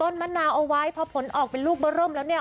มะนาวเอาไว้พอผลออกเป็นลูกเบอร์เริ่มแล้วเนี่ย